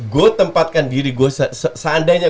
gue tempatkan diri seandainya